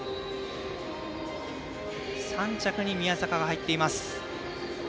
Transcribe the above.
３着に宮坂が入っています。